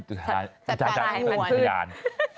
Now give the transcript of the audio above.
อุทยานอุทยาน